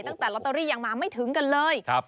ตั้งแต่ลอตเตอรี่ยังมาไม่ถึงกันเลย